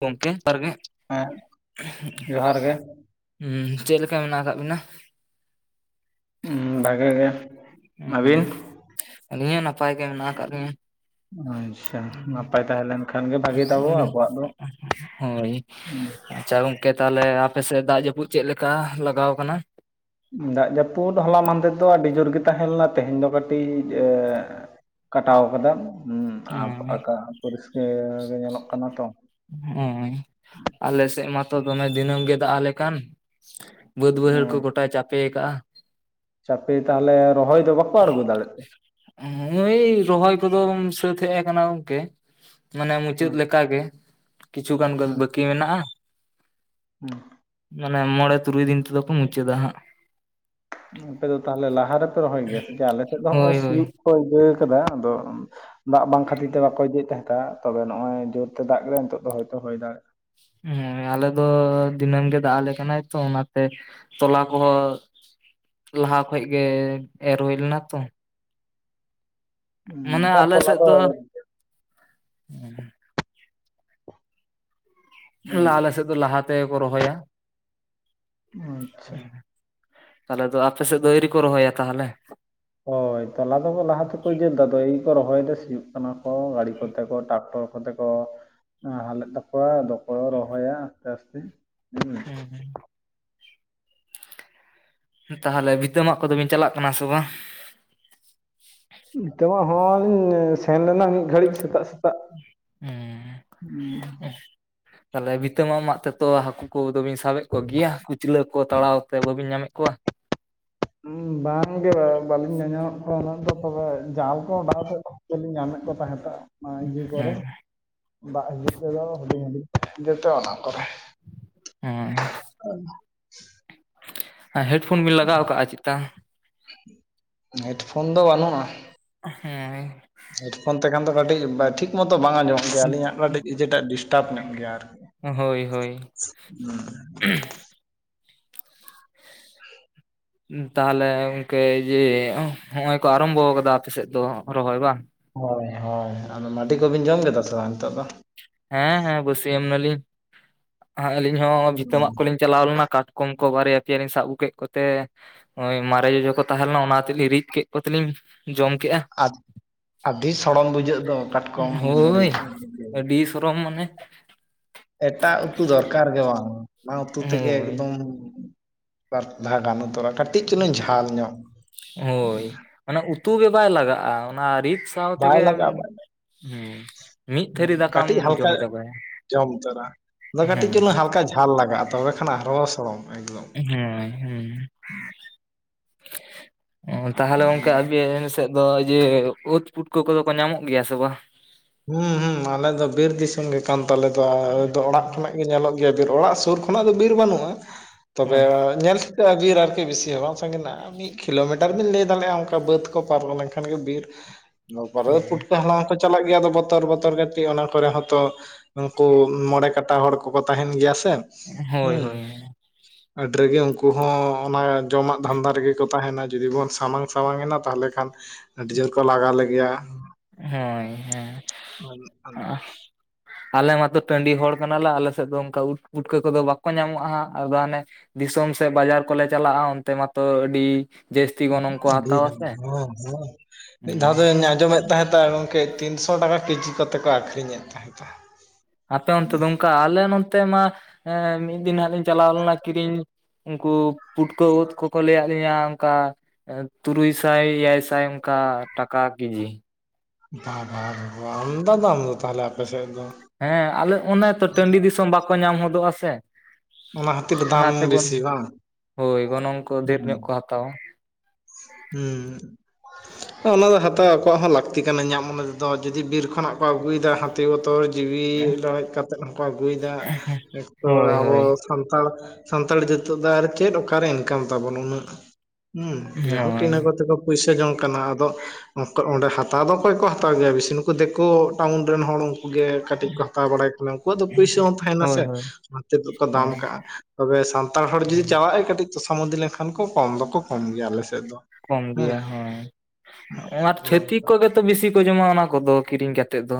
ᱜᱚᱝᱠᱮ ᱡᱚᱦᱟᱨ ᱜᱮ ᱦᱮᱸ ᱡᱚᱦᱟᱨ ᱜᱮ ᱦᱩᱸ ᱪᱮᱫ ᱞᱮᱠᱟ ᱢᱮᱱᱟᱜ ᱟᱠᱟᱫ ᱵᱤᱱᱟ? ᱦᱩ ᱵᱷᱟᱜᱮ ᱜᱮ ᱟᱹᱵᱤᱱ? ᱟᱞᱤᱧ ᱦᱚ ᱱᱟᱯᱟᱭ ᱜᱮ ᱢᱮᱱᱟᱜ ᱟᱠᱟᱫ ᱞᱤᱱᱟ᱾ ᱟᱪᱪᱷᱟ ᱱᱟᱯᱟᱭ ᱛᱟᱦᱮ ᱞᱮᱱᱼᱼ ᱦᱩᱸ ᱦᱳᱭ ᱦᱩᱸ ᱟᱪᱪᱷᱟ ᱜᱚᱢᱠᱮ ᱛᱟᱦᱚᱞᱮ ᱟᱯᱮᱥᱮᱫ ᱫᱟᱜ ᱡᱟᱯᱩᱫ ᱪᱮᱫ ᱞᱮᱠᱟ ᱞᱟᱜᱟᱣ ᱟᱠᱟᱱᱟ? ᱫᱟᱜ ᱡᱟᱯᱩᱫ ᱦᱚᱞᱟ ᱢᱟᱫᱷᱮᱨ ᱫᱚ ᱟᱹᱰᱤ ᱡᱳᱨ ᱜᱮ ᱛᱟᱦᱮᱸ ᱞᱮᱱᱟ ᱛᱮᱦᱮᱧ ᱫᱚ ᱠᱟᱴᱤᱡᱼᱼ ᱠᱟᱴᱟᱣ ᱠᱟᱫᱟ ᱦᱩᱸ ᱟᱠᱟᱥ ᱦᱚ ᱯᱚᱨᱤᱥᱠᱟᱨ ᱜᱮ ᱧᱮᱞᱚᱜ ᱠᱟᱱᱟ ᱛᱚ ᱦᱳᱭ ᱟᱞᱮ ᱥᱮᱫ ᱢᱟᱛᱚ ᱫᱚᱢᱮ ᱫᱤᱱᱟᱹᱢ ᱜᱮ ᱫᱟᱜ ᱟᱞᱮ ᱠᱟᱱ ᱵᱟᱹᱫ ᱵᱟᱹᱭᱦᱟᱹᱲ ᱠᱚ ᱮᱸ ᱜᱚᱴᱟᱭ ᱪᱟᱯᱮ ᱠᱟᱜᱼᱟ᱾ ᱪᱟᱯᱮ ᱛᱟᱦᱚᱞᱮ ᱨᱚᱦᱚᱭ ᱫᱚ ᱵᱟᱠᱚ ᱟᱬᱜᱚ ᱫᱟᱲᱮᱜ ᱛᱮ? ᱦᱳᱭ ᱨᱚᱦᱚᱭ ᱠᱚᱫᱚ ᱥᱟᱹᱛ ᱦᱮᱡ ᱠᱟᱱᱟ ᱜᱚᱢᱠᱮ᱾ ᱢᱟᱱᱮ ᱢᱩᱪᱟᱹᱫ ᱦᱮᱸ ᱞᱮᱠᱟᱜᱮ ᱠᱤᱪᱷᱩ ᱜᱟᱱ ᱵᱟᱠᱤ ᱢᱮᱱᱟᱜᱼᱟ᱾ ᱦᱩᱸ ᱢᱟᱱᱮ ᱢᱚᱬᱮ ᱛᱩᱨᱩᱭ ᱫᱤᱱ ᱛᱮᱫᱚ ᱠᱚ ᱢᱩᱪᱟᱹᱫᱟ ᱦᱟᱜ ᱟᱯᱮ ᱫᱚ ᱛᱟᱦᱚᱞᱮ ᱞᱟᱦᱟ ᱨᱮᱯᱮ ᱨᱚᱦᱚᱭ ᱜᱮᱭᱟ ᱥᱮ ᱡᱮ ᱟᱞᱮ ᱥᱮᱫ ᱫᱚ ᱱᱚᱜ-ᱚᱭ ᱦᱳᱭ ᱦᱳᱭ ᱥᱤᱭᱳᱜ ᱠᱚ ᱤᱭᱟᱹ ᱠᱟᱫᱟ ᱟᱫᱚ ᱫᱟᱜ ᱵᱟᱝ ᱠᱷᱟᱛᱤᱨ ᱛᱮ ᱵᱟᱠᱚ ᱤᱭᱟᱹᱭᱮᱫ ᱛᱟᱦᱮᱸ ᱠᱟ ᱛᱚᱵᱮ ᱱᱚᱜ- ᱚᱭ ᱡᱳᱨ ᱛᱮ ᱫᱟᱜ ᱠᱮᱫᱟᱭ ᱱᱤᱛᱚᱜ ᱫᱚ ᱦᱚᱭᱛᱚ ᱦᱳᱭ ᱫᱟᱲᱮᱭᱟᱜᱼᱟ᱾ ᱦᱩᱸ ᱟᱞᱮ ᱫᱚ ᱫᱤᱱᱟᱹᱢ ᱜᱮ ᱫᱟᱜ ᱟᱞᱮ ᱠᱟᱱᱟᱭ ᱛᱚ ᱚᱱᱟᱛᱮ ᱛᱚᱞᱟ ᱠᱚᱦᱚᱸ ᱞᱟᱦᱟ ᱠᱷᱚᱡ ᱜᱮ ᱮᱨ ᱦᱩᱭ ᱞᱮᱱᱟ ᱛᱚ᱾ ᱦᱩᱸ ᱢᱟᱱᱮ ᱵᱟᱝ ᱟᱞᱮ ᱛᱚᱞᱟ ᱥᱮᱫ ᱫᱚ ᱫᱚᱼᱼ ᱟᱞᱮ ᱦᱩᱸ ᱥᱮᱫ ᱫᱚ ᱞᱟᱦᱟ ᱛᱮᱜᱮ ᱠᱚ ᱨᱚᱦᱚᱭᱟ᱾ ᱟᱪᱪᱷᱟ ᱛᱟᱦᱚᱞᱮ ᱫᱚ ᱟᱯᱮ ᱥᱮᱫᱚ ᱟᱣᱨᱤ ᱠᱚ ᱨᱚᱦᱚᱭᱟ ᱛᱟᱦᱚᱞᱮ? ᱦᱳᱭ ᱛᱚᱞᱟ ᱫᱚᱠᱚ ᱞᱟᱦᱟ ᱛᱮᱠᱚ ᱤᱭᱟᱹ ᱞᱮᱫᱟ ᱟᱫᱚ ᱮᱭ ᱠᱚ ᱨᱚᱦᱚᱭᱮᱫᱟ ᱥᱤᱭᱳᱜ ᱠᱟᱱᱟ ᱠᱚ ᱜᱟᱲᱤ ᱠᱚᱛᱮ ᱠᱚ ᱴᱟᱠᱴᱚᱨ ᱠᱚ ᱠᱚᱛᱮᱠᱚ ᱱᱟᱦᱮᱞᱮᱫ ᱛᱟᱠᱚᱣᱟ ᱟᱫᱚ ᱠᱚ ᱨᱚᱦᱚᱭᱟ ᱟᱥᱛᱮ ᱟᱥᱛᱮ᱾ ᱦᱩᱸ ᱛᱟᱦᱚᱞᱮ ᱵᱷᱤᱛᱟᱹ ᱢᱟᱜ ᱠᱚᱫᱚ ᱵᱤᱱ ᱪᱟᱞᱟᱜ ᱠᱟᱱᱟ ᱥᱮ ᱵᱟᱝ? ᱵᱷᱤᱛᱟᱹ ᱢᱟᱜ ᱦᱚ ᱞᱤᱧ ᱥᱮᱱ ᱞᱮᱱᱟ ᱢᱤᱫ ᱜᱷᱟᱲᱤᱡ ᱥᱮᱛᱟᱜ ᱥᱮᱛᱟᱜ ᱦᱩᱸ ᱛᱟᱦᱞᱮ ᱵᱷᱤᱛᱟᱹ ᱢᱟᱜ ᱢᱟᱜ ᱛᱮᱛᱚ ᱦᱟᱠᱩ ᱠᱚᱫᱚ ᱵᱤᱱ ᱥᱟᱵᱼᱼ ᱥᱟᱵᱮᱫ ᱠᱚᱜᱮᱭᱟ ᱠᱩᱪᱞᱟᱹ ᱠᱚ ᱛᱟᱲᱟᱣ ᱛᱮ ᱵᱟᱵᱤᱱ ᱧᱟᱢᱮᱫ ᱠᱚᱣᱟ? ᱦᱩ ᱵᱟᱝ ᱜᱮ ᱵᱟᱞᱤᱧ ᱧᱟᱧᱟᱢᱮᱫ ᱠᱚᱣᱟ ᱩᱱᱟᱹᱬᱬᱠᱨ ᱴᱤᱠᱜ ᱫᱚ ᱛᱚᱵᱮ ᱡᱟᱞ ᱠᱚ ᱚᱰᱟᱣ ᱛᱮ ᱫᱚ ᱧᱟᱢᱮᱫ ᱠᱚ ᱛᱟᱦᱮᱸ ᱫᱚᱜ ᱢᱟ ᱤᱭᱟᱹ ᱠᱚᱨᱮ ᱦᱮᱸ ᱵᱟ ᱤᱭᱟᱹ ᱛᱮᱫᱚ ᱡᱚᱛᱮ ᱚᱱᱟ ᱠᱚᱨᱮ ᱦᱩᱸ [inaudible] ᱦᱮᱸ ᱦᱮᱰᱯᱷᱳᱱ ᱵᱤᱱ ᱞᱟᱜᱟᱣ ᱟᱠᱟᱟᱜᱼᱟ ᱪᱮᱫᱼᱟ ᱦᱮᱰᱯᱷᱳᱱ ᱫᱚ ᱵᱟᱹᱱᱩᱜᱼᱟ ᱦᱩᱸᱭ ᱦᱮᱰᱯᱷᱳᱱ ᱛᱮᱠᱷᱟᱱ ᱫᱚ ᱠᱟᱹᱴᱤᱡ ᱴᱷᱤᱠ ᱢᱚᱛᱚ ᱵᱟᱝ ᱟᱸᱡᱚᱢᱚᱜ ᱜᱮᱭᱟ ᱟᱹᱞᱤᱧᱟᱜ ᱠᱟᱹᱴᱤᱡ ᱤᱭᱟᱹ ᱴᱟᱜ ᱰᱤᱥᱴᱟᱵ ᱧᱚᱜ ᱜᱮᱭᱟ ᱟᱨ ᱦᱳᱭ ᱦᱳᱭ ᱛᱟᱦᱚᱞᱮ ᱜᱚᱝᱠᱮ ᱡᱮ ᱦᱚᱜᱼᱚᱭ ᱠᱚ ᱟᱨᱟᱢᱵᱚ ᱟᱠᱟᱫᱟ ᱟᱯᱮᱥᱮᱫ ᱫᱚ ᱨᱚᱦᱚᱭ ᱵᱟᱝ ᱦᱳᱭ ᱦᱳᱭ ᱟᱫᱚ ᱢᱟᱰᱤ ᱠᱚᱵᱤᱱ ᱡᱚᱢ ᱠᱮᱫᱟ ᱥᱮ ᱵᱟᱝ ᱱᱤᱛᱚᱜ ᱫᱚ? ᱦᱮᱸ ᱦᱮᱸ ᱵᱟᱹᱥᱭᱟᱹᱢ ᱮᱱᱟ ᱞᱤᱧ ᱟᱹᱞᱤᱧ ᱦᱚᱸ ᱵᱷᱤᱛᱟᱹᱜ ᱢᱟᱹᱜ ᱠᱚᱞᱤᱧ ᱪᱟᱞᱟᱣ ᱞᱮᱱᱟ ᱠᱟᱴᱠᱚᱢ ᱠᱚ ᱵᱟᱨᱭᱟ ᱯᱮᱭᱟ ᱞᱤᱧ ᱥᱟᱵ ᱟᱹᱜᱩ ᱠᱮᱫ ᱠᱚᱛᱮ ᱢᱟᱨᱮ ᱡᱚᱡᱚ ᱠᱚ ᱛᱟᱦᱮᱸ ᱞᱮᱱᱟ ᱚᱱᱟ ᱠᱚᱛᱮ ᱞᱤᱧ ᱨᱤᱫ ᱠᱮᱫ ᱠᱚᱛᱮ ᱞᱤᱧ ᱡᱚᱢ ᱠᱮᱜᱼᱟ ᱟᱹᱰᱤ ᱥᱚᱲᱚᱢ ᱵᱩᱡᱷᱟᱹᱜ ᱫᱚ ᱠᱟᱴᱠᱚᱢ ᱨᱤᱫ᱾ ᱤ ᱥᱚᱨᱚᱢ ᱢᱟᱱᱮ? ᱮᱴᱟᱜ ᱩᱛᱩ ᱫᱚᱨᱠᱟᱨ ᱜᱮ ᱵᱟᱝ ᱚᱱᱟ ᱩᱛᱩ ᱛᱮᱜᱮ ᱦᱳᱭ ᱮᱠᱫᱚᱢᱼᱼ ᱵᱟᱨ ᱫᱷᱟᱣ ᱜᱟᱱᱚᱜ ᱛᱚᱨᱟ ᱠᱟᱹᱴᱤᱡ ᱪᱩᱞᱩᱝ ᱡᱷᱟᱞ ᱧᱚᱜ ᱢᱟᱱᱮ ᱩᱛᱩ ᱜᱮ ᱵᱟᱭ ᱞᱟᱜᱟᱜᱼᱟ ᱚᱱᱟ ᱨᱤᱫ ᱥᱟᱶ ᱛᱮᱜᱮᱢ [inaudible] ᱦᱩᱸ ᱠᱟᱹᱴᱤᱡ ᱦᱟᱞᱠᱟ ᱡᱚᱢ ᱪᱟᱵᱟᱭᱟ ᱡᱚᱢ ᱛᱚᱨᱟ ᱠᱟᱹᱴᱤᱡ ᱦᱮᱸ ᱪᱩᱞᱩᱝ ᱦᱟᱞᱠᱟ ᱡᱷᱟᱞ ᱞᱟᱜᱟᱜᱼᱟ ᱛᱚᱵᱮ ᱠᱷᱟᱱ ᱟᱨᱦᱚᱸ ᱥᱚᱼᱲᱚᱢ ᱮᱠᱫᱚᱢ, ᱦᱩᱸᱭ ᱦᱩᱸ ᱚ ᱛᱟᱦᱚᱞᱮ ᱜᱚᱝᱠᱮ, ᱟᱹᱵᱤᱱ ᱥᱮᱫ ᱫᱚ ᱡᱮ ᱳᱫ ᱯᱩᱴᱠᱟᱹ ᱠᱚᱫᱚ ᱠᱚ ᱧᱟᱢᱚᱜ ᱜᱮᱭᱟ ᱥᱮ ᱵᱟᱝ? ᱦᱩᱸ ᱦᱩᱸ ᱟᱞᱮ ᱫᱚ ᱵᱤᱨ ᱫᱤᱥᱚᱢ ᱜᱮ ᱠᱟᱱ ᱛᱟᱞᱮ ᱫᱚ ᱟᱞᱮ ᱫᱚ ᱚᱲᱟᱜ ᱠᱷᱚᱱᱟᱜ ᱜᱮ ᱧᱮᱞᱚᱜ, ᱜᱮ ᱵᱤᱨ ᱚᱲᱟᱜ ᱥᱩᱨ ᱠᱷᱚᱱᱟᱜ ᱫᱚ ᱵᱤᱨ ᱵᱟᱹᱱᱩᱜᱼᱟ ᱛᱚᱵᱮ ᱧᱮᱞ ᱴᱷᱤᱠᱟᱹᱜᱼᱟ ᱵᱤᱨ ᱟᱨᱠᱤ ᱵᱮᱥᱤ ᱦᱚᱸ ᱵᱟᱝ, ᱢᱤᱫ ᱠᱤᱞᱳᱢᱤᱴᱟᱨ ᱵᱤᱱ ᱞᱟᱹᱭ ᱫᱟᱲᱮᱭᱟᱜᱼᱟ ᱚᱱᱠᱟ ᱵᱟᱹᱫ ᱠᱚ ᱯᱟᱨᱚᱢ ᱞᱮᱱᱠᱷᱟᱱ ᱜᱮ ᱵᱤᱨ, ᱵᱟᱵᱟᱨᱮ ᱯᱩᱴᱠᱟᱹ ᱦᱟᱞᱟᱝ ᱦᱚᱸ ᱠᱚ ᱪᱟᱞᱟᱜ ᱜᱮᱭᱟ ᱟᱫᱚ, ᱵᱚᱛᱚᱨ ᱵᱚᱛᱚᱨ ᱠᱟᱹᱴᱤᱡ ᱚᱱᱟ ᱠᱚᱨᱮ ᱦᱚᱸ ᱛᱚ ᱩᱱᱠᱩ ᱢᱚᱬᱮ ᱠᱟᱴᱟ ᱦᱚᱲ ᱠᱚᱠᱚ ᱛᱟᱦᱮᱱ ᱜᱮᱭᱟ ᱥᱮ, ᱦᱳᱭ ᱦᱩᱸ ᱦᱳᱭ ᱾ ᱟᱹᱰᱤ ᱨᱟᱹᱜᱮ ᱩᱱᱠᱩ ᱦᱚᱸ ᱚᱱᱟ ᱡᱚᱢᱟᱜ ᱫᱷᱟᱱᱫᱟ ᱨᱮᱜᱮ ᱠᱚ ᱛᱟᱦᱮᱱᱟ ᱡᱩᱫᱤ ᱵᱚᱱ ᱥᱟᱢᱟᱝ ᱥᱟᱢᱟᱝ ᱮᱱᱟ ᱛᱟᱦᱚᱞᱮ ᱠᱷᱟᱱ, ᱟᱹᱰᱤ ᱡᱳᱨ ᱠᱚ ᱞᱟᱜᱟ ᱞᱮᱜᱮᱭᱟ ᱾ ᱦᱳᱭ ᱦᱮᱸ, [inaudible] ᱟᱞᱮ ᱢᱟᱛᱚ ᱴᱟᱺᱰᱤ ᱦᱚᱲ ᱠᱟᱱᱟᱞᱮ ᱟᱞᱮᱥᱮᱫ ᱫᱚ ᱚᱱᱠᱟ ᱩᱫ ᱯᱩᱴᱠᱟᱹ ᱠᱚᱫᱚ ᱵᱟᱠᱚ ᱧᱟᱢᱚᱜᱼᱟ ᱦᱟᱸᱜ ᱟᱫᱚ ᱦᱟᱱᱮ, ᱫᱤᱥᱚᱢ ᱥᱮᱫ ᱵᱟᱡᱟᱨ ᱠᱚᱞᱮ ᱪᱟᱞᱟᱜᱼᱟ ᱚᱱᱛᱮ ᱢᱟᱛᱚ ᱟᱹᱰᱤ, ᱡᱟᱹᱥᱛᱤ ᱜᱚᱱᱚᱝ ᱠᱚ ᱟᱹᱰᱤ ᱦᱟᱛᱟᱣᱟ ᱫᱷᱟᱣ ᱥᱮ ᱦᱚᱸ ᱦᱚᱸ ᱢᱤᱫ ᱫᱷᱟᱣ ᱦᱩᱸ ᱫᱚᱧ ᱟᱸᱡᱚᱢᱮᱫ ᱛᱟᱦᱮᱸᱫ ᱜᱚᱢᱠᱮ ᱛᱤᱱᱥᱚ ᱴᱟᱠᱟ ᱠᱮᱡᱤ ᱠᱚᱛᱮ ᱠᱚ ᱟᱹᱷᱨᱤᱧᱮᱫ ᱛᱟᱦᱮᱸᱫ ᱾ ᱟᱯᱮ ᱚᱱᱛᱮ ᱫᱚ ᱚᱱᱠᱟ ᱟᱞᱮ ᱱᱚᱛᱮ ᱢᱟ ᱢᱤᱫ ᱫᱤᱱ ᱦᱟᱸᱜ ᱞᱤᱧ ᱪᱟᱞᱟᱣ ᱞᱮᱱᱟ ᱠᱤᱨᱤᱧ, ᱩᱱᱠᱩ ᱯᱩᱴᱠᱟᱹ ᱳᱫ ᱠᱚᱠᱚ ᱞᱟᱹᱭᱟᱫ ᱞᱤᱭᱟᱹ ᱚᱱᱠᱟ, ᱛᱩᱨᱩᱭ ᱥᱟᱭ ᱮᱭᱟᱭ ᱥᱟᱭ ᱚᱱᱠᱟ ᱴᱟᱠᱟ ᱠᱮᱡᱤ, ᱵᱟᱻᱵᱟ ᱟᱢᱫᱟ ᱫᱟᱢ ᱫᱚ ᱛᱟᱦᱚᱞᱮ ᱟᱯᱮ ᱥᱮᱫ ᱫᱚ, ᱦᱮᱸ ᱟᱞᱮ ᱚᱱᱮ ᱛᱚ ᱴᱟᱺᱰᱤ ᱫᱤᱥᱚᱢ ᱵᱟᱠᱚ ᱧᱟᱢ ᱦᱚᱫᱚᱜᱼᱟ ᱥᱮ, ᱚᱱᱟ ᱠᱷᱟᱹᱛᱤᱨ ᱫᱟᱢ ᱚᱱᱟᱛᱮ ᱵᱚᱱ ᱵᱮᱥᱤ ᱵᱟᱝ ᱦᱳᱭ ᱜᱚᱱᱚᱝ ᱠᱚ ᱰᱷᱮᱨ ᱧᱚᱜ ᱠᱚ ᱦᱟᱛᱟᱣᱟ ᱾ ᱦᱩᱸ ᱾ ᱚᱱᱟ ᱫᱚ ᱦᱟᱛᱟᱣ ᱟᱠᱚᱣᱟᱜ ᱦᱚᱸ ᱞᱟᱹᱠᱛᱤ ᱠᱟᱱᱟ ᱧᱟᱢ ᱢᱚᱱᱮ ᱛᱮᱫᱚ ᱡᱩᱫᱤ ᱵᱤᱨ ᱠᱷᱚᱱᱟᱜ ᱠᱚ ᱟᱹᱜᱩᱭᱮᱫᱟ, ᱦᱟᱛᱤ ᱵᱚᱛᱚᱨ ᱡᱤᱣᱤ ᱨᱟᱲᱮᱡ ᱠᱟᱛᱮᱫ ᱦᱚᱸᱠᱚ ᱟᱹᱜᱩᱫᱟ ᱱᱤᱛᱚᱜ ᱦᱳᱭ ᱟᱵᱚ, ᱦᱳᱭ ᱥᱟᱱᱛᱟᱲ ᱥᱟᱱᱛᱟᱲ ᱡᱟᱹᱛᱤ ᱫᱚ ᱟᱨ ᱪᱮᱫ ᱚᱠᱟᱨᱮ ᱤᱱᱠᱟᱢ ᱛᱟᱵᱚᱱ ᱩᱱᱟᱹᱜ ᱦᱩᱸ, ᱡᱟᱭᱦᱳᱠ ᱦᱳᱭ ᱤᱱᱟᱹ ᱠᱚ ᱛᱮ ᱠᱚ ᱯᱩᱭᱥᱟᱹ ᱡᱚᱝ ᱠᱟᱱᱟ ᱟᱫᱚ, ᱚᱸᱰᱮ ᱦᱟᱛᱟᱣ ᱫᱚ ᱚᱠᱚᱭ ᱠᱚ ᱦᱟᱛᱟᱣ ᱜᱮᱭᱟ ᱵᱮᱥᱤ ᱱᱩᱠᱩ ᱫᱮᱠᱳ ᱴᱟᱣᱩᱱ ᱨᱮᱱ ᱦᱚᱲ ᱩᱱᱠᱩ ᱜᱮ, ᱠᱟᱹᱴᱤᱡ ᱠᱚ ᱦᱟᱛᱟᱣ ᱵᱟᱲᱟᱭ ᱠᱟᱱᱟ ᱩᱱᱠᱩᱣᱟᱜ ᱫᱚ ᱯᱩᱭᱥᱟᱹ ᱦᱚᱸ ᱛᱟᱦᱮᱱᱟ ᱦᱳᱭ ᱥᱮ, ᱦᱳᱭ ᱚᱱᱛᱮ ᱫᱚᱠᱚ ᱦᱳᱭ ᱫᱟᱢ ᱠᱟᱜᱼᱟ ᱛᱚᱵᱮ ᱥᱟᱱᱛᱟᱲ ᱦᱚᱲ ᱡᱩᱫᱤ ᱪᱟᱞᱟᱜ ᱟᱭ ᱠᱟᱹᱴᱤᱡ, ᱠᱚᱥᱟᱢᱩᱫᱤ ᱞᱮᱱᱠᱷᱟᱱ ᱠᱚ ᱠᱚᱢ ᱫᱚᱠᱚ ᱠᱚᱢ ᱜᱮᱭᱟ ᱟᱞᱮᱥᱮᱫ ᱫᱚ, ᱠᱚᱢ ᱦᱮᱸ ᱜᱮᱭᱟ ᱦᱳᱭ ᱟᱨ ᱪᱷᱟᱹᱛᱤᱠ ᱱᱚᱝᱠᱟ ᱠᱚᱜᱮ, ᱛᱚ ᱵᱤᱥᱤ ᱠᱚ ᱡᱚᱢᱟ ᱚᱱᱟ ᱠᱚᱫᱚ ᱠᱤᱨᱤᱧ ᱠᱟᱛᱮᱫ ᱫᱚ,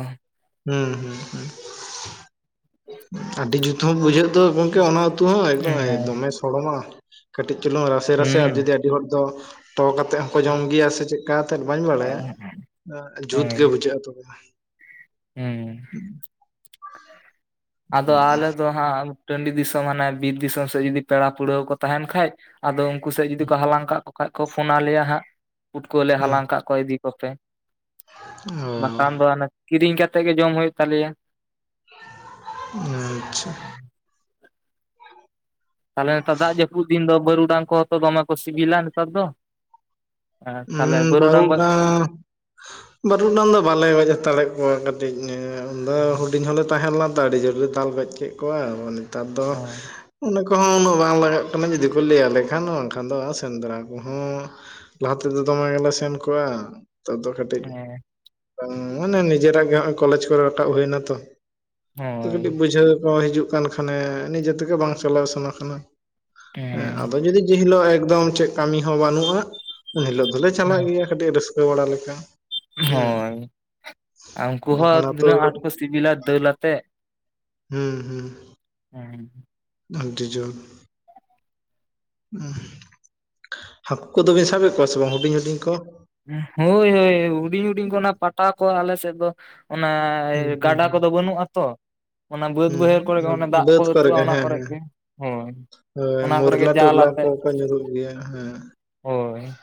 ᱦᱩᱸ ᱦᱩᱸ ᱦᱩᱸ ᱟᱹᱰᱤ ᱡᱩᱛ ᱦᱚ ᱵᱩᱡᱷᱟᱹᱜ ᱫᱚ ᱜᱚᱝ ᱠᱮ ᱚᱱᱟ ᱩᱛᱩ ᱦᱚᱸ ᱮᱠᱚᱢ ᱦᱩᱸ ᱫᱚᱢᱮ ᱥᱚᱲᱚᱢᱟ ᱠᱟᱹᱴᱤᱡ ᱪᱩᱞᱩᱝ ᱨᱟᱥᱮ ᱨᱟᱥᱮ ᱟᱨ ᱡᱩᱫᱤ ᱟᱹᱰᱤ ᱦᱚᱲ ᱫᱚ, ᱛᱚ ᱠᱟᱛᱮᱜ ᱦᱚᱸᱠᱚ ᱡᱚᱢ ᱜᱮᱭᱟ ᱥᱮ ᱪᱮᱫᱠᱟᱛᱮᱫ ᱵᱟᱹᱧ ᱵᱟᱲᱟᱭᱟ ᱡᱩᱛ ᱦᱳᱭ ᱜᱮ ᱵᱩᱡᱷᱟᱹᱜᱼᱟ ᱛᱚᱵᱮ ᱠᱷᱟᱱ, ᱦᱩᱸ ᱟᱫᱚ ᱟᱞᱮ, ᱫᱚ ᱦᱟᱸᱜ ᱴᱟᱺᱰᱤ ᱫᱤᱥᱚᱢ ᱦᱟᱱᱮ ᱵᱤᱨ ᱫᱤᱥᱚᱢ ᱥᱮᱫ ᱡᱩᱫᱤ ᱯᱮᱲᱟ ᱯᱟᱹᱲᱦᱮᱣ ᱠᱚ ᱛᱟᱦᱮᱱ ᱠᱷᱟᱡ ᱟᱫᱚ, ᱩᱱᱠᱩ ᱥᱮᱫ ᱡᱩᱫᱤ ᱠᱚ ᱦᱟᱞᱟᱝ ᱠᱟᱜ ᱠᱚ ᱠᱷᱟᱱ ᱠᱚ ᱯᱷᱳᱱᱟ ᱟᱞᱮᱭᱟ ᱦᱟᱸᱜ ᱯᱩᱴᱠᱟᱹᱣᱟᱞᱮ ᱦᱩᱸ ᱦᱟᱞᱟᱝ ᱠᱟᱜ ᱠᱚᱣᱟ ᱤᱫᱤ ᱠᱚᱯᱮ, ᱚ ᱵᱟᱠᱷᱟᱱ ᱫᱚ ᱦᱟᱱᱮ ᱠᱤᱨᱤᱧ ᱠᱟᱛᱮ ᱜᱮ ᱡᱚᱢ ᱦᱩᱭᱩᱜ ᱛᱟᱞᱮᱭᱟ ᱾ ᱟᱪᱷᱟ ᱛᱟᱦᱚᱞᱮ ᱱᱮᱛᱟᱨ ᱫᱟᱜ ᱡᱟᱹᱯᱩᱫ ᱫᱤᱱ ᱫᱚ ᱵᱟᱹᱨᱩᱰᱟᱝ ᱠᱚᱦᱚᱸ ᱫᱚᱢᱮ ᱠᱚ ᱥᱤᱵᱤᱞᱟ ᱱᱮᱛᱟᱨ ᱫᱚ, ᱦᱮᱸ ᱛᱟᱦᱚᱞᱮ ᱩᱸ ᱵᱟᱹᱨᱩᱰᱟᱝ ᱜᱚᱡ ᱵᱟᱨᱩᱰᱟᱝ, ᱵᱟᱹᱨᱩᱰᱟᱝ ᱫᱚ ᱵᱟᱞᱮ ᱜᱚᱡ ᱦᱟᱛᱟᱲᱮᱫ ᱠᱚᱣᱟ ᱠᱟᱹᱴᱤᱡ ᱫᱚ ᱦᱩᱰᱤᱧ ᱦᱚᱸᱞᱮ ᱛᱟᱦᱮᱸ ᱞᱮᱱᱟ, ᱟᱹᱰᱤ ᱡᱳᱨᱮ ᱞᱮ ᱫᱟᱞ ᱜᱚᱡ ᱠᱮᱫ ᱠᱚᱣᱟ ᱱᱚᱜᱼᱚ ᱱᱮᱛᱟᱨ ᱫᱚ, ᱦᱮᱸ ᱚᱱᱟ ᱠᱚᱦᱚᱸ ᱩᱱᱟᱹᱜ ᱵᱟᱝ ᱞᱟᱜᱟᱜ ᱠᱟᱱᱟ ᱡᱩᱫᱤ ᱠᱚ ᱞᱟᱹᱭᱟᱞᱮ ᱠᱷᱟᱱ ᱵᱟᱝᱠᱷᱟᱱ ᱫᱚ ᱥᱮᱸᱫᱽᱨᱟ ᱠᱚᱦᱚᱸ, ᱞᱟᱦᱟ ᱛᱮᱫᱚ ᱫᱚᱢᱮ ᱜᱮᱞᱮ ᱥᱮᱱ ᱠᱚᱜᱣᱟ ᱱᱮᱛᱟᱨ ᱫᱚ ᱠᱟᱹᱴᱤᱡ, ᱢᱟᱱᱮ ᱱᱤᱡᱮᱨᱟᱜ ᱜᱮ ᱱᱚᱜᱚᱭ ᱠᱚᱞᱮᱡᱽ ᱠᱚᱨᱮ ᱨᱟᱠᱟᱵ ᱦᱩᱭ ᱱᱟ ᱛᱚ ᱦᱳᱭ ᱠᱟᱹᱴᱤᱡ ᱵᱩᱡᱷᱟᱹᱣ ᱠᱚ ᱦᱤᱡᱩᱜ ᱠᱟᱱ ᱠᱷᱟᱱᱮ ᱱᱤᱡᱮ ᱛᱮᱜᱮ ᱵᱟᱝ ᱪᱟᱞᱟᱣ ᱥᱟᱱᱟ ᱠᱟᱱᱟ ᱦᱮᱸ ᱟᱫᱚ ᱡᱩᱫᱤ ᱡᱮᱦᱤᱞᱳᱜ ᱮᱠᱫᱚᱢ ᱪᱮᱫ ᱠᱟᱹᱢᱤ ᱦᱚᱸ ᱵᱟᱹᱱᱩᱜᱼᱟ ᱩᱱ ᱦᱤᱞᱳᱜ ᱫᱚᱞᱮ ᱪᱟᱞᱟᱜ ᱜᱮᱭᱟ ᱠᱟᱹᱴᱤᱡ ᱨᱟᱹᱥᱠᱟᱹ ᱵᱟᱲᱟ ᱞᱮᱠᱟ ᱦᱩᱸ ᱦᱳᱭ ᱩᱱᱠᱩ ᱵᱟᱠᱷᱟᱱ ᱦᱚᱸ ᱟᱛᱳ ᱛᱤᱱᱟᱹᱜ ᱟᱴ ᱠᱚ ᱥᱤᱵᱤᱞᱟ ᱫᱟᱹᱞᱟᱛᱮ ᱦᱩᱸ ᱦᱩᱸ ᱦᱮᱸ ᱟᱴᱤ ᱡᱚᱦ ᱦᱟᱹᱠᱩ ᱠᱚᱫᱚ ᱵᱤᱱ ᱥᱟᱵᱮᱫ ᱠᱚᱣᱟ ᱥᱮ ᱵᱟᱝ ᱦᱩᱰᱤᱧ ᱦᱩᱰᱤᱧ ᱠᱚ ᱦᱳᱭ ᱦᱳᱭ ᱦᱩᱰᱤᱧ ᱦᱩᱰᱤᱧ ᱠᱚ ᱚᱱᱟ ᱯᱟᱴᱟ ᱠᱚ ᱟᱞᱮ ᱥᱮᱫ ᱫᱚ ᱚᱱᱟ ᱦᱩᱸ ᱦᱩᱸ ᱜᱟᱰᱟ ᱠᱚᱫᱚ ᱵᱟᱹᱱᱩᱜᱼᱟᱛᱚ ᱚᱱᱟ ᱵᱟᱹᱫᱽ ᱦᱩᱸ ᱵᱟᱹᱭᱦᱟᱹᱲ ᱠᱚᱨᱮ ᱜᱮ ᱮ ᱦᱩᱸ ᱫᱟᱜ ᱠᱚ ᱵᱟᱹᱫᱽ ᱟᱹᱛᱩᱜᱼᱟ ᱜᱮ ᱚᱱᱟ ᱦᱮᱸ ᱠᱚᱨᱮ ᱦᱮᱸ ᱜᱮ ᱦᱳᱸ ᱦᱳᱭ ᱢᱚᱨᱞᱟ ᱴᱚᱨᱞᱟ ᱠᱚᱠᱚ ᱧᱩᱨᱩᱜ ᱜᱮᱭᱟ ᱦᱮᱸ ᱦᱳᱭ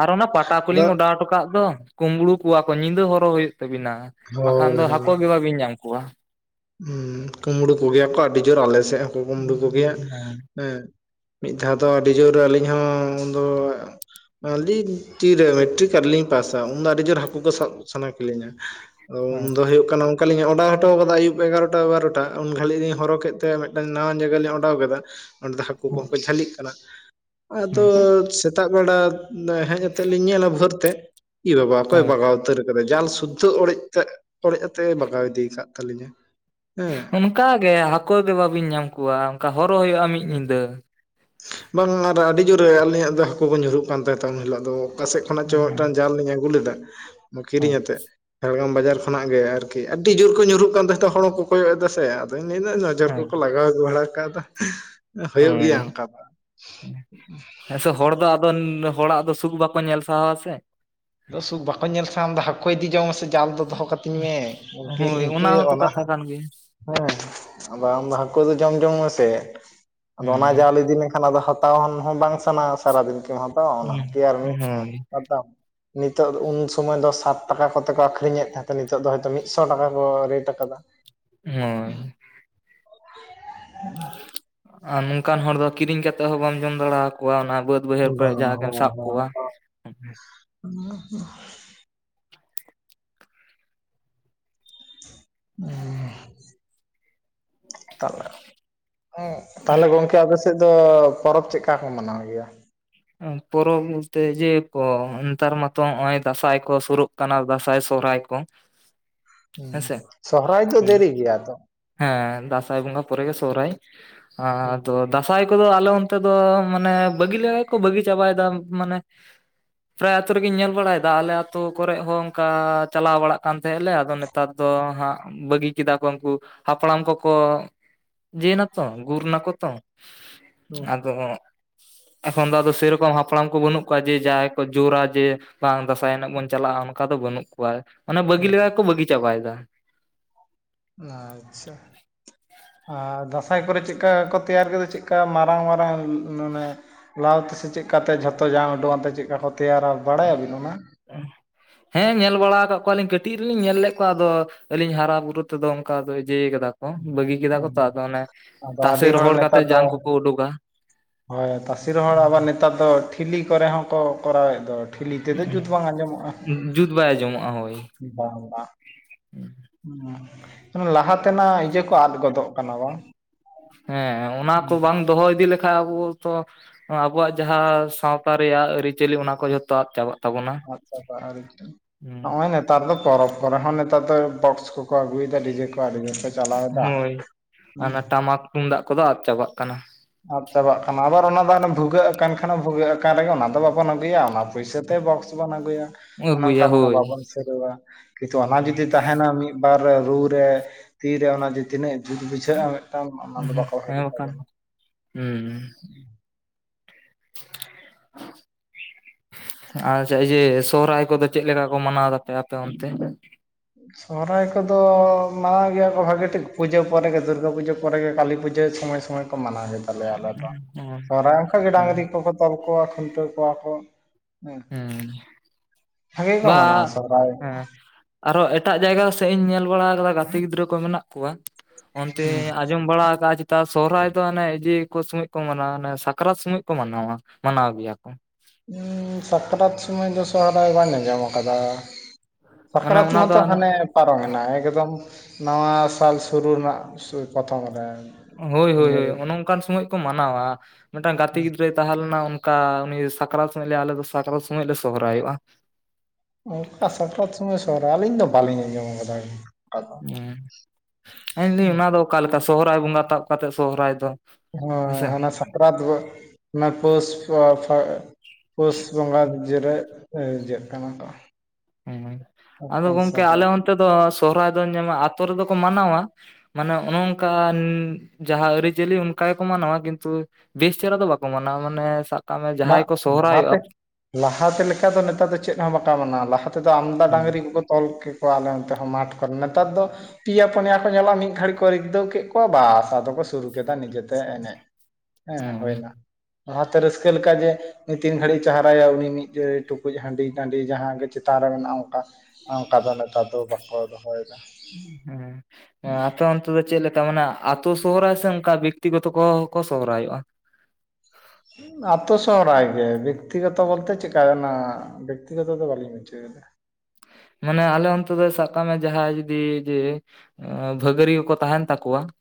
ᱟᱨ ᱚᱱᱟ ᱯᱟᱴᱟ ᱠᱚᱞᱤᱧ ᱫᱟᱜ ᱚᱰᱟᱣ ᱦᱚᱴᱚ ᱠᱟᱜ ᱫᱚ ᱠᱩᱢᱵᱽᱲᱩ ᱠᱚᱣᱟ ᱠᱚ ᱧᱤᱫᱟᱹ ᱦᱚᱨᱚᱜ ᱦᱩᱭᱩᱜ ᱛᱟᱹᱵᱤᱱᱟ ᱵᱟᱠᱷᱟᱱ ᱦᱳᱭ ᱫᱚ ᱦᱟᱹᱠᱩ ᱦᱳᱭ ᱜᱮ ᱵᱟᱹᱵᱤᱱ ᱧᱟᱢ ᱠᱚᱣᱟ ᱦᱩᱸ ᱠᱩᱢᱵᱽᱲᱩ ᱠᱚᱜᱮᱭᱟ ᱠᱚ ᱟᱹᱰᱤ ᱡᱳᱨ ᱟᱞᱮ ᱥᱮᱫ ᱦᱚᱸᱠᱚ ᱠᱩᱢᱲᱩ ᱠᱚᱜᱮᱭᱟ ᱦᱮᱸ ᱢᱤᱫ ᱫᱷᱟᱣ ᱫᱚ ᱟᱹᱰᱤ ᱡᱳᱨ ᱟᱹᱞᱤᱧ ᱦᱚᱸ ᱩᱱ ᱟᱹᱞᱤ ᱛᱤᱨᱮ ᱢᱮᱴᱨᱤᱠ ᱟᱨᱞᱤᱧ ᱯᱟᱥᱟ ᱩᱱ ᱫᱚ ᱟᱹᱰᱤ ᱡᱳᱨ ᱦᱟᱹᱠᱩ ᱠᱚ ᱥᱟᱵ ᱥᱟᱱᱟ ᱠᱤᱞᱤᱧᱟ ᱟᱫᱚ ᱦᱮᱸ ᱩᱱᱫᱚ ᱫᱚ ᱦᱩᱭᱩᱜ ᱠᱟᱱᱟ ᱚᱱᱠᱟᱞᱤᱧ ᱚᱰᱟᱣ ᱦᱚᱴᱚ ᱟᱠᱟᱫᱟ ᱟᱭᱩᱵ [inaudible] [inaudible] ᱮᱜᱟᱨᱚᱴᱟ ᱵᱟᱨᱚᱴᱟ ᱩᱱ ᱜᱷᱟᱹᱲᱤᱡ ᱞᱤᱧ ᱦᱚᱨᱚᱜ ᱠᱮᱫ ᱛᱮ ᱢᱤᱫᱴᱟᱝ ᱱᱟᱣᱟᱱ ᱡᱟᱭᱜᱟ ᱞᱤᱧ ᱚᱰᱟᱣ ᱠᱮᱫᱟ ᱚᱸᱰᱮ ᱫᱚ ᱦᱟᱹᱠᱩ ᱠᱚᱦᱚᱸ ᱠᱚ ᱡᱷᱟᱹᱞᱤᱜ ᱠᱟᱱᱟ ᱟᱫᱚ ᱦᱮᱸ ᱥᱮᱛᱟ ᱥᱮᱛᱟᱜ ᱵᱮᱲᱟ ᱦᱮᱡ ᱟᱛᱮᱫ ᱞᱤᱧ ᱧᱮᱞᱟ ᱵᱷᱳᱨ ᱛᱮ ᱤ ᱵᱟᱵᱟ ᱚᱠᱚᱭ ᱦᱳᱭ ᱵᱟᱜᱟᱣ ᱩᱛᱟᱹᱨ ᱡᱟᱞ ᱥᱩᱫᱽᱫᱷᱚ ᱚᱲᱮᱡ ᱛᱮ ᱚᱲᱮᱡ ᱠᱟᱛᱮ ᱵᱟᱜᱟᱣ ᱤᱫᱤ ᱟᱠᱟᱫ ᱛᱟᱹᱟᱞᱤᱧᱟ ᱦᱮᱸ ᱚᱱᱠᱟ ᱜᱮ ᱦᱟᱹᱠᱩ ᱫᱚ ᱵᱟᱟᱹᱵᱤᱱ ᱧᱟᱢ ᱠᱚᱣᱟ ᱚᱱᱠᱟ ᱦᱚᱨᱚᱜ ᱦᱩᱭᱩᱜᱼᱟ ᱢᱤᱫ ᱧᱤᱫᱟᱹ ᱵᱟᱝ ᱟᱨ ᱟᱹᱰᱤ ᱡᱳᱨᱮ ᱟᱞᱤᱧᱟᱜ ᱫᱚ ᱦᱟᱹᱠᱩ ᱵᱚᱱ ᱧᱩᱨᱩᱜ ᱠᱟᱱᱟ ᱦᱩᱭᱩᱜ ᱠᱟᱱ ᱛᱟᱦᱮᱸ ᱩᱱ ᱦᱤᱞᱳᱜ ᱟ ᱚᱠᱟ ᱥᱮᱫ ᱠᱷᱚᱱᱟᱜ ᱪᱚᱝ ᱢᱤᱫᱴᱟᱱ ᱡᱟᱞ ᱞᱤᱧ ᱟᱹᱜᱩ ᱞᱮᱫᱟ ᱦᱳᱭ ᱠᱤᱨᱤᱧ ᱟᱛᱮᱜ ᱡᱷᱟᱲᱜᱨᱟᱢ ᱵᱟᱡᱟᱨ ᱠᱷᱚᱱᱟᱜ ᱜᱮ ᱟᱨᱠᱤ ᱟᱹᱰᱤ ᱡᱳᱨ ᱠᱚ ᱧᱩᱨᱩᱜ ᱠᱟᱱ ᱛᱟᱦᱮᱸᱫᱚᱜ ᱦᱚᱲ ᱦᱚᱸᱠᱚ ᱠᱚᱭᱚᱜ ᱮᱫᱟ ᱥᱮ ᱟᱫᱚᱧ ᱞᱟᱹᱭᱮᱫᱫᱟ ᱚᱡᱚᱨ ᱦᱳᱭ ᱠᱚᱠᱚ ᱞᱟᱜᱟᱣ ᱟᱹᱜᱩ ᱵᱟᱲᱟ ᱟᱠᱟᱫᱟᱫᱟ ᱦᱩᱭᱩᱜ ᱦᱳᱭ ᱜᱮᱭᱟ ᱚᱱᱠᱟ ᱫᱚ ᱦᱮᱸᱥᱮ ᱦᱚᱲ ᱫᱚ ᱟᱫᱚ ᱦᱚᱲᱟᱜ ᱫᱚ ᱥᱩᱠ ᱵᱟᱠᱚ ᱧᱮᱞ ᱥᱟᱦᱟᱣᱟ ᱥᱮᱮ ᱫᱚ ᱥᱩᱠ ᱵᱟᱠᱚ ᱧᱮᱞ ᱥᱮ ᱟᱢᱫᱟ ᱦᱟᱹᱠᱩ ᱠᱚ ᱤᱫᱤ ᱡᱚᱝ ᱢᱮᱥᱮ ᱡᱟᱞ ᱫᱚ ᱫᱚᱦᱚ ᱠᱟᱹᱛᱤᱧ ᱢᱮ ᱜᱚᱝᱠᱮ ᱦᱳᱭ ᱤᱱᱠᱟᱹ ᱦᱚᱸᱛᱚ ᱚᱱᱟ ᱠᱟᱛᱷᱟ ᱦᱮᱸ ᱠᱟᱱ ᱜᱮᱭᱟ ᱟᱫᱚ ᱟᱢᱫᱚ ᱦᱟᱹᱠᱩ ᱫᱚ ᱡᱚᱢ ᱡᱚᱝ ᱢᱮᱥᱮ ᱟᱫᱚ ᱦᱩᱸ ᱚᱱᱟ ᱡᱟᱞ ᱤᱫᱤ ᱞᱮᱠᱷᱟᱱ ᱟ ᱦᱟᱛᱟᱣ ᱦᱚᱸ ᱵᱟᱝ ᱥᱟᱱᱟᱼᱟ ᱥᱟᱨᱟᱫᱤᱱ ᱠᱮᱢ ᱦᱟᱛᱟᱣᱟ ᱚᱱᱟ ᱦᱚᱸ ᱛᱮᱭ ᱟᱨ ᱢᱤᱫ ᱦᱳᱭ ᱦᱟᱛᱟᱣ ᱱᱤᱛᱚᱜ ᱩᱱ ᱥᱢᱚᱭ ᱫᱚ ᱥᱟᱛ ᱴᱟᱠᱟ ᱠᱚᱛᱮ ᱠᱚ ᱟᱠᱷᱨᱤᱧᱮᱫ ᱛᱟᱦᱮᱸ ᱱᱤᱛᱚᱜ ᱫᱚ ᱢᱤᱫᱥᱚ ᱴᱟᱠᱟ ᱠᱚ ᱨᱮᱴ ᱟᱠᱟᱫᱟ ᱦᱳᱭ ᱟᱨ ᱱᱚᱝᱠᱟᱱ ᱦᱚᱲ ᱫᱚ ᱠᱤᱨᱤᱧ ᱠᱟᱛᱮ ᱦᱚᱸ ᱵᱟᱢ ᱡᱚᱢ ᱫᱟᱲᱣᱟᱠᱚᱣᱟ ᱚᱱᱟ ᱵᱟᱹᱫᱽ ᱵᱟᱹᱭᱦᱟᱹᱲ ᱠᱚᱨᱮ ᱵᱟᱝ ᱡᱟᱦᱟᱸ ᱜᱮᱮᱢ ᱥᱟᱵ ᱠᱚᱣᱟ ᱦ ᱦᱸ [unintelligible] ᱦ ᱛᱟᱦᱞᱮ [unintelligible] ᱦ ᱛᱟᱦᱞᱮ ᱜᱚᱝᱠᱮ ᱟᱯᱮ ᱥᱮᱫ ᱫᱚ ᱯᱚᱨᱚᱵᱽ ᱪᱮᱫᱠᱟ ᱠᱚ ᱢᱟᱱᱟᱣ ᱜᱮᱭᱟ ᱯᱚᱨᱚᱵᱽ ᱵᱚᱞᱛᱮ ᱡᱮ ᱠᱚ ᱱᱮᱛᱟᱨ ᱢᱟᱛᱚ ᱱᱚᱜᱼᱚᱭ ᱫᱟᱸᱥᱟᱭ ᱠᱚ ᱥᱩᱨᱩᱜ ᱠᱟᱱᱟ ᱫᱥᱟᱭ ᱥᱚᱵᱦᱟᱭ ᱠᱚ ᱦᱸ ᱦᱮᱸᱥᱮ ᱥᱚᱨᱚᱦᱨᱟᱭ ᱫᱚ ᱫᱮᱨᱤ ᱜᱮᱭᱟ ᱛᱚ ᱦᱮᱸ ᱫᱟᱸᱥᱟᱭ ᱵᱚᱸᱜᱟ ᱯᱚᱨᱮ ᱜᱮ ᱥᱚᱨᱚᱦᱨᱟᱭ ᱦᱩᱸ ᱟᱫᱚ ᱫᱟᱸᱥᱟᱭ ᱠᱚᱫᱚ ᱟᱞᱮ ᱚᱱᱛᱮ ᱫᱚ ᱢᱟᱱᱮ ᱵᱟᱹᱜᱤ ᱠᱚ ᱵᱟᱹᱜᱤ ᱪᱟᱵᱟᱭᱮᱫᱟ ᱢᱟᱱᱮ ᱯᱨᱟᱭ ᱟᱛᱳ ᱨᱮᱜᱮᱧ ᱧᱮᱞ ᱵᱟᱲᱟᱭᱮᱫᱟ ᱟᱞᱮ ᱟᱹᱛᱩ ᱠᱚᱨᱮ ᱦᱚᱸ ᱚᱱᱠᱟ ᱪᱟᱞᱟᱣ ᱵᱟᱲᱟᱜ ᱠᱟᱱ ᱛᱟᱦᱮᱸᱞᱮ ᱟᱫᱚ ᱱᱮᱛᱟᱨ ᱫᱚ ᱦᱟᱸᱜ ᱵᱟᱹᱜᱤ ᱠᱮᱫᱟ ᱠᱚ ᱩᱱᱠᱩ ᱦᱟᱯᱲᱟᱢ ᱠᱚᱠᱚ ᱡᱮ ᱱᱟᱛᱚ ᱜᱩᱨ ᱱᱟᱠᱚ ᱛᱚ ᱦᱩᱸ ᱟᱫᱚ ᱮᱠᱷᱚᱱ ᱫᱚᱫᱚ ᱥᱮᱨᱚᱠᱚᱢ ᱦᱟᱯᱲᱟᱢ ᱠᱚ ᱵᱟᱹᱱᱩᱜ ᱠᱚᱣᱟ ᱡᱮ ᱡᱟᱦᱟᱸᱭ ᱠᱚ ᱡᱳᱨᱟ ᱡᱮ ᱵᱟᱝ ᱫᱟᱸᱟᱭ ᱮᱱᱮᱡ ᱵᱚᱱ ᱪᱟᱞᱟᱜ-ᱟ ᱚᱱᱠᱟ ᱫᱚ ᱵᱟᱹᱱᱩᱜ ᱠᱚᱣᱟ ᱚᱱᱮ ᱵᱟᱹᱜᱤ ᱞᱮᱠᱟ ᱞᱮᱠᱟ ᱠᱚ ᱵᱟᱹᱜᱤ ᱪᱟᱵᱟᱭᱮᱫᱟ ᱟᱪᱪᱷᱟ ᱟᱨ ᱫᱟᱸᱥᱟᱭ ᱠᱚᱨᱮ ᱪᱮᱫᱠᱟ ᱠᱚ ᱛᱮᱭᱟᱨ ᱠᱮᱫᱟ ᱪᱮᱫᱠᱟ ᱢᱟᱨᱟᱝ ᱢᱟᱨᱟᱝ ᱟᱱᱮ ᱞᱟᱣ ᱛᱮᱥᱮ ᱪᱮᱫᱠᱟᱛᱮ ᱡᱷᱚᱛᱚ ᱡᱟᱝ ᱩᱰᱩᱠᱟᱱᱛᱮ ᱪᱮᱫᱠᱟ ᱠᱚ ᱛᱮᱭᱟᱨᱟ ᱵᱟᱲᱟᱭᱟᱵᱤᱱ ᱚᱱᱟ ᱦᱮᱸ ᱧᱮᱞ ᱵᱟᱲᱟ ᱟᱠᱟᱫ ᱠᱚᱣᱟᱞᱤᱧ ᱠᱟᱹᱴᱤᱡ ᱨᱮᱞᱤᱧ ᱧᱮᱞ ᱞᱮᱫ ᱠᱚᱣᱟ ᱟᱫᱚ ᱟᱹᱞᱤᱧ ᱦᱟᱨᱟ ᱵᱩᱨᱩ ᱛᱮᱫᱚ ᱚᱱᱠᱟ ᱫᱚ ᱡᱟᱹᱭ ᱠᱟᱫᱟ ᱠᱚ ᱵᱟᱹᱜᱤ ᱠᱮᱫᱟ ᱠᱚ ᱛᱚ ᱟᱫᱚ ᱚᱱᱮ ᱟᱫᱚ ᱛᱟᱥᱮ ᱟᱹᱰᱤ ᱦᱚᱲ ᱨᱚᱦᱚᱲ ᱱᱮᱛᱟᱨ ᱠᱟᱛᱮᱜ ᱫᱚ ᱡᱟᱝ ᱠᱚᱠᱚ ᱩᱰᱩᱠᱟ ᱦᱳᱭ ᱛᱟᱥᱮ ᱨᱚᱦᱚᱲ ᱟᱵᱟᱨ ᱱᱮᱛᱟᱨ ᱫᱚ ᱴᱷᱤᱞᱤ ᱠᱚᱨᱮ ᱦᱚᱸᱠᱚ ᱠᱚᱨᱟᱣᱮᱫ ᱫᱚ ᱴᱷᱤᱞᱤ ᱛᱮᱫᱚ ᱡᱩᱛ ᱵᱟᱝ ᱟᱸᱡᱚᱢᱚᱜ-ᱟ ᱡᱩᱛ ᱵᱟᱭ ᱟᱸᱚᱢᱚᱜ-ᱟ ᱦᱳᱭ ᱵᱟᱝ ᱵᱟᱝ ᱦᱮᱸ ᱞᱟᱦᱟ ᱛᱮᱱᱟᱜ ᱤᱭᱟᱹ ᱠᱚ ᱟᱫ ᱜᱚᱫᱚᱜ ᱠᱟᱱᱟ ᱵᱟᱝ ᱦᱮᱸ ᱚᱱᱟ ᱠᱚ ᱵᱟᱝ ᱫᱚᱦᱚ ᱤᱫᱤ ᱞᱮᱠᱷᱟᱡ ᱟᱵᱚ ᱛᱚ ᱟᱵᱚᱣᱟᱜ ᱡᱟᱦᱟᱸ ᱥᱟᱶᱛᱟ ᱨᱮᱭᱟᱜ ᱟᱹᱨᱤᱪᱟᱹᱞᱤ ᱚᱱᱟ ᱠᱚ ᱡᱷᱚᱛᱚ ᱟᱫ ᱪᱟᱵᱟᱜ ᱠᱟᱱᱟ ᱟᱪᱪᱷᱟ [unintelligible] ᱱᱚᱜ-ᱚᱭ ᱱᱮᱛᱟᱨ ᱫᱚ ᱯᱚᱨᱚᱵᱽ ᱠᱚᱨᱮ ᱦᱚᱸ ᱱᱮᱛᱟᱨ ᱫᱚ ᱵᱚᱠᱥ ᱠᱚᱠᱚ ᱟᱹᱜᱩᱭᱮᱫᱟ ᱰᱤᱡᱮ ᱠᱚ ᱟᱹᱰᱤ ᱡᱮ ᱠᱚ ᱪᱟᱞᱟᱣᱮᱫᱟ ᱦᱳᱭ ᱦᱩᱸ ᱚᱱᱟ ᱴᱟᱢᱟᱠ ᱛᱩᱢᱫᱟᱜ ᱠᱚᱫᱚ ᱟᱫ ᱪᱟᱵᱟᱜ ᱠᱟᱱᱟ ᱟᱫ ᱪᱟᱵᱟᱜ ᱠᱟᱱᱟ ᱟᱵᱟᱨ ᱚᱱᱟ ᱫᱚ ᱵᱷᱩᱜᱟᱹᱜ ᱟᱠᱟᱱ ᱠᱷᱟᱱ ᱵᱷᱩᱜᱟᱹᱜ ᱟᱠᱟᱱ ᱨᱮᱜᱮ ᱚᱱᱟ ᱫᱚ ᱵᱟᱵᱚᱱ ᱟᱹᱜᱩᱭᱟ ᱚᱱᱟ ᱯᱩᱭᱥᱟᱹᱛᱮ ᱵᱚᱠᱥ [unintelligible] ᱟᱹᱜᱩᱭᱟ ᱚᱱᱟᱴᱟ ᱟᱹᱜᱩᱭᱟ ᱢᱟᱱᱮ ᱦᱳᱭ ᱵᱟᱵᱚᱱ ᱥᱤᱨᱟᱹᱣᱟ ᱠᱤᱱᱛᱩ ᱚᱱᱟ ᱦᱩᱸ ᱡᱩᱫᱤ ᱛᱟᱦᱮᱱᱟ ᱢᱤᱫ ᱵᱟᱨ ᱨᱮ ᱨᱩ ᱨᱮ ᱛᱤᱨᱮ ᱚᱱᱟ ᱡᱮ ᱛᱤᱱᱟᱹᱜ ᱡᱩᱛ ᱵᱩᱡᱷᱟᱹᱜ-ᱟ ᱢᱤᱫᱴᱟᱝ ᱚᱱᱟ ᱫᱚ ᱵᱟᱠᱚ ᱦᱟᱹᱨᱩᱭ ᱦᱮᱸ ᱵᱟᱠᱷᱟᱱ ᱛᱟᱵᱚᱱᱟ ᱦᱩᱸ ᱟᱪᱪᱷᱟ ᱤᱭᱟᱹ ᱥᱚᱦᱨᱟᱭ ᱠᱚᱫᱚ ᱪᱮᱫᱞᱮᱠᱟ ᱠᱚ ᱢᱟᱱᱟᱣ ᱫᱟᱯᱮ ᱟᱯᱮ ᱚᱱᱛᱮ ᱥᱚᱦᱨᱟᱭ ᱠᱚᱫᱚ ᱢᱟᱱᱟ ᱜᱮᱭᱟ ᱠᱚ ᱵᱷᱟᱹᱜᱤ ᱴᱷᱤᱠ ᱯᱩᱡᱟᱹ ᱯᱚᱨᱮ ᱜᱮ ᱫᱩᱨᱜᱟᱹ ᱯᱩᱡᱟᱹ ᱯᱚᱨᱮ ᱜᱮ ᱠᱟᱹᱞᱤ ᱯᱩᱡᱟᱹ ᱥᱚᱢᱚᱭ ᱥᱚᱢᱚᱭ ᱠᱚᱭ ᱠᱚ ᱢᱟᱱᱟᱣ ᱦᱩᱭᱩᱜ ᱛᱟᱞᱮᱭᱟ ᱟᱞᱮ ᱫᱚ ᱥᱚᱦᱨᱟᱭ ᱚᱱᱠᱟ ᱜᱮ ᱰᱟᱝᱨᱤ ᱠᱚᱠᱚ ᱛᱚᱞ ᱠᱚᱣᱟ ᱠᱷᱩᱱᱴᱟᱹᱣ ᱠᱚᱣᱟ ᱠᱚ ᱦᱮ ᱦᱮᱸ ᱵᱷᱟᱜᱮ ᱵᱟ ᱢᱟᱱᱟᱣ ᱥᱚᱦᱨᱟᱭ ᱦᱮᱸ ᱟᱨᱚ ᱮᱴᱟᱜ ᱡᱟᱭᱜᱟ ᱥᱮᱫ ᱤᱧ ᱧᱮᱞ ᱵᱟᱲᱟ ᱟᱠᱟᱫᱟ ᱜᱟᱛᱮ ᱜᱤᱫᱽᱨᱟᱹ ᱠᱚ ᱢᱮᱱᱟᱜ ᱠᱚᱣᱟ ᱚᱱᱛᱮ ᱟᱸᱡᱚᱢ ᱵᱟᱲᱟ ᱠᱟᱜ ᱱᱮᱛᱟᱨ ᱥᱚᱨᱦᱟᱭ ᱫᱚ ᱚᱱᱮ ᱤᱡᱤ ᱠᱚ ᱥᱚᱢᱚᱭ ᱠᱚ ᱢᱟᱱᱟᱣᱟ ᱚᱱᱮ ᱥᱟᱠᱨᱟᱛ ᱥᱚᱢᱚᱭ ᱠᱚ ᱢᱟᱱᱟᱣᱟ ᱢᱟᱱᱟᱣ ᱜᱮᱭᱟ ᱠᱚ ᱩᱻ ᱥᱟᱠᱨᱟᱛ ᱥᱚᱢᱚᱭ ᱫᱚ ᱥᱚᱦᱨᱟᱭ ᱵᱟᱹᱧ ᱟᱸᱡᱚᱢ ᱟᱠᱟᱫᱟ ᱢᱟᱱᱮ ᱥᱟᱠᱨᱟᱛ ᱚᱱᱟ ᱫᱚ ᱢᱟᱛᱚ ᱚᱱᱮ ᱦᱟᱱᱮ ᱯᱟᱨᱚᱢᱮᱱᱟ ᱮᱠᱫᱚᱢ ᱱᱟᱣᱟ ᱥᱟᱞ ᱥᱩᱨᱩ ᱨᱮᱱᱟᱜ ᱯᱚᱛᱷᱚᱢ ᱨᱮ ᱦᱳᱭ ᱦᱳᱭ ᱦᱳᱭ ᱤᱝᱨᱮᱡᱤ ᱚᱱᱮ ᱚᱱᱠᱟᱱ ᱥᱚᱢᱳᱭ ᱠᱚ ᱢᱟᱱᱟᱣᱟ ᱢᱤᱫᱴᱟᱝ ᱜᱟᱛᱮ ᱜᱤᱫᱽᱨᱟᱹ ᱛᱟᱦᱮᱸ ᱞᱮᱱᱟ ᱚᱱᱠᱟ ᱩᱱᱤ ᱥᱟᱠᱨᱟᱛ ᱥᱚᱢᱚᱭ ᱞᱮ ᱟᱞᱮ ᱫᱚ ᱥᱟᱠᱨᱟᱛ ᱥᱚᱢᱚᱭ ᱞᱮ ᱥᱚᱦᱨᱟᱭᱚᱜ-ᱟ᱾ ᱚᱱᱠᱟ ᱥᱟᱠᱨᱟᱛ ᱥᱚᱢᱚᱭ ᱥᱚᱨᱦᱟᱭ ᱟᱹᱞᱤᱧ ᱫᱚ ᱵᱟᱝ ᱞᱤᱧ ᱟᱸᱡᱚᱢ ᱟᱠᱟᱫᱟ ᱟᱫᱚ ᱦᱩ ᱤᱧ ᱫᱟᱹᱧ ᱚᱱᱟ ᱫᱚ ᱚᱠᱟᱞᱮᱠᱟ ᱥᱚᱦᱨᱟᱭ ᱵᱚᱸᱜᱟ ᱛᱟᱵ ᱠᱟᱛᱮᱫ ᱥᱚᱦᱚᱨᱟᱭ ᱫᱚ ᱦᱳᱭ ᱦᱮᱸᱥᱮ ᱦᱟᱱᱟ ᱥᱟᱠᱨᱟᱛ ᱠᱚ ᱚᱱᱟ ᱯᱳᱥ [unintelligible] ᱯᱩᱥ ᱵᱚᱸᱝᱜᱟ ᱡᱤᱨᱟ. ᱜ ᱤᱭᱟᱹᱜ ᱠᱟᱱᱟ ᱠᱚ ᱦᱩᱸ ᱟᱫᱚ ᱛᱟᱨᱯᱚᱨ ᱜᱚᱝᱠᱮ ᱟᱞᱮ ᱥᱚᱦᱨᱟᱭ ᱚᱱᱛᱮ ᱫᱚ ᱥᱚᱦᱨᱟᱭ ᱫᱚ ᱧᱮᱞ ᱢᱮ ᱟᱹᱛᱩ ᱫᱚ ᱠᱚ ᱢᱟᱱᱟᱣᱟ ᱢᱟᱱᱮ ᱚᱱᱮ ᱚᱱᱠᱟᱱ ᱡᱟᱦᱟᱸ ᱟᱹᱨᱤᱪᱟᱹᱞᱤ ᱚᱱᱠᱟ ᱜᱮᱠᱚ ᱢᱟᱱᱟᱣᱟ ᱠᱤᱱᱛᱩ ᱵᱮᱥ ᱪᱮᱦᱨᱟ ᱫᱚ ᱵᱟᱠᱚ ᱢᱟᱱᱟᱣ ᱢᱟᱱᱮ ᱥᱟᱵ ᱠᱟᱜ ᱢᱮ ᱡᱟᱦᱟᱸᱭ ᱠᱚ ᱥᱚᱦᱨᱟᱭᱚᱜ-ᱟ ᱞᱟᱦᱟ ᱛᱮ ᱞᱮᱠᱟ ᱫᱚ ᱱᱮᱛᱟᱨ ᱫᱚ ᱪᱮᱫ ᱦᱚᱸ ᱵᱟᱠᱟ ᱢᱟᱱᱟᱣᱟ ᱞᱟᱦᱟ ᱛᱮᱫᱚ ᱟᱢᱫᱟ ᱦᱩᱸ ᱰᱟᱝᱨᱤ ᱠᱚᱠᱚ ᱛᱚᱞ ᱠᱮᱠᱚᱣᱟ ᱟᱞᱮ ᱚᱱᱛᱮ ᱦᱚᱸ ᱢᱟᱴᱷ ᱠᱚᱨᱮ ᱱᱮᱛᱟᱨ ᱫᱚ ᱯᱤᱭᱟ ᱯᱩᱱᱭᱟ ᱠᱚ ᱧᱮᱞᱚᱜ-ᱟ ᱢᱤᱫ ᱜᱷᱟᱹᱲᱤ ᱠᱚ ᱨᱤᱠᱫᱟᱹᱣ ᱠᱮᱫ ᱠᱚᱣᱟ ᱵᱟᱥ ᱟᱫᱚ ᱠᱚ ᱥᱩᱨᱩ ᱠᱮᱫᱟ ᱱᱤᱡᱮ ᱛᱮ ᱮᱱᱮᱡ ᱦᱮᱸ ᱦᱩᱸ ᱦᱩᱭᱱᱟ ᱞᱟᱦᱟᱛᱮ ᱨᱟᱹᱥᱠᱟᱹ ᱞᱮᱠᱟ ᱜᱮ ᱩᱱᱤ ᱛᱤᱱ ᱜᱷᱟᱹᱲᱤᱡ ᱪᱮᱨᱟᱭᱟ ᱩᱱᱤ ᱢᱤᱫ ᱴᱩᱠᱩᱡ ᱦᱟᱺᱰᱤ ᱴᱟᱺᱰᱤ ᱡᱟᱦᱟᱸ ᱜᱮ ᱪᱮᱛᱟᱱ ᱨᱮ ᱢᱮᱱᱟᱜ-ᱟ ᱚᱱᱠᱟ ᱚᱱᱠᱟ ᱫᱚ ᱱᱮᱛᱟᱨ ᱫᱚ ᱵᱟᱠᱚ ᱫᱚᱦᱚᱭ ᱫᱟ᱾ ᱦᱮᱸ ᱟᱯᱮ ᱚᱱᱛᱮ ᱫᱚ ᱪᱮᱫ ᱞᱮᱠᱟ ᱢᱟᱱᱮ ᱟᱛᱳ ᱥᱚᱦᱨᱟᱭ ᱥᱮ ᱚᱱᱠᱟ ᱵᱮᱠᱛᱤ ᱜᱚᱛᱚ ᱠᱚ ᱠᱚ ᱥᱚᱦᱨᱟᱭᱚᱜᱼᱟ ᱟᱛᱳ ᱥᱚᱦᱨᱟᱭ ᱜᱮ ᱵᱮᱠᱛᱤᱜᱚᱛᱚ ᱵᱚᱞᱛᱮ ᱪᱮᱫᱠᱟ ᱚᱱᱟ ᱵᱮᱠᱛᱤᱜᱚᱛᱚ ᱫᱚ ᱵᱟᱝ ᱞᱤᱧ ᱵᱩᱡᱷᱟᱣ ᱫᱟ ᱢᱟᱱᱮ ᱟᱞᱮ ᱚᱱᱛᱮ ᱫᱚ ᱥᱟᱵ ᱠᱟᱜ ᱢᱮ ᱡᱟᱦᱟᱸ ᱡᱩᱫᱤ ᱤᱭᱟ ᱡᱮ ᱵᱷᱟᱹᱜᱟᱨᱤᱭᱟ ᱠᱚ ᱛᱟᱦᱮᱱ ᱛᱟᱠᱚᱣᱟ